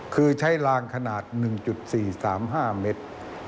คือใช้ลางขนาด๑๔๓๕เมตร